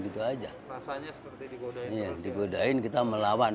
iya digodain kita melawan